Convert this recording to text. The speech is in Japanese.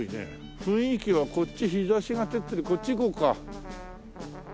雰囲気はこっち日差しが照ってるこっち行こうか。